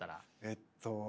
えっと。